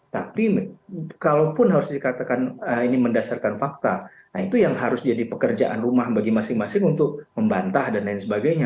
tapi kalaupun harus dikatakan ini mendasarkan fakta nah itu yang harus jadi pekerjaan rumah bagi masing masing untuk membantah dan lain sebagainya